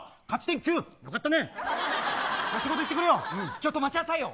ちょっと待ちなさいよ。